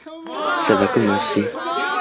ça va commencer.